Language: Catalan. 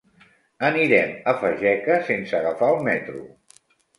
Anirem a Fageca sense agafar el metro.